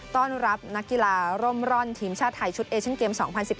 ต้อนรับนักกีฬาร่มร่อนทีมชาติไทยชุดเอเชียนเกม๒๐๑๘